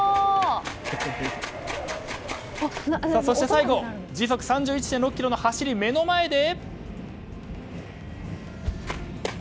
最後は時速３１．６キロの走りを目の前で。